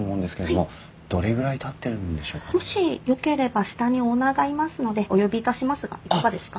もしよければ下にオーナーがいますのでお呼びいたしますがいかがですか？